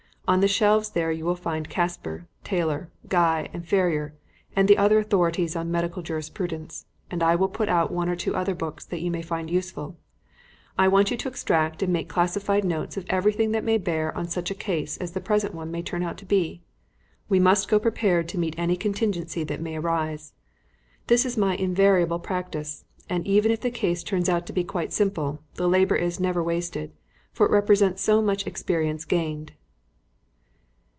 On the shelves there you will find Casper, Taylor, Guy and Ferrier, and the other authorities on medical jurisprudence, and I will put out one or two other books that you may find useful. I want you to extract and make classified notes of everything that may bear on such a case as the present one may turn out to be. We must go prepared to meet any contingency that may arise. This is my invariable practice, and even if the case turns out to be quite simple, the labour is never wasted, for it represents so much experience gained."